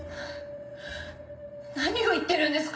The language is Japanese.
何を言ってるんですか？